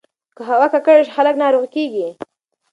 که هوا ککړه شي، خلک ناروغ کېږي.